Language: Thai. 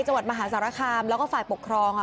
จังหวัดมหาสารคามแล้วก็ฝ่ายปกครอง